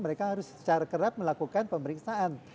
mereka harus secara kerap melakukan pemeriksaan